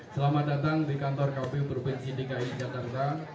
selamat datang di kantor kpu provinsi dki jakarta